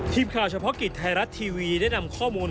ทีมข่าวเฉพาะกิจไทยรัฐทีวีได้นำข้อมูล